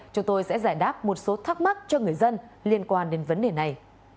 chúng tôi sẽ giải đáp một số thắc mắc cho người dân liên quan đến vấn đề này